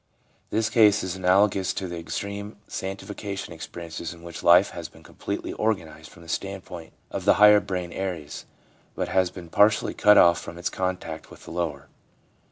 This case is analogous to the ex treme sanctification experiences in which life has become completely organised from the standpoint of the higher brain areas, but has been partially cut off from its contact with the lower.